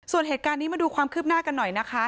ส่วนเหตุการณ์นี้มาดูความคืบหน้ากันหน่อยนะคะ